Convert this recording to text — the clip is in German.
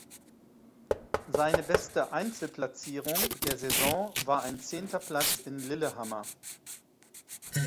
Seine beste Einzelplatzierung der Saison war ein zehnter Platz in Lillehammer.